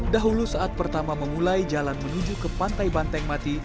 dahulu saat pertama memulai jalan menuju ke pantai banteng mati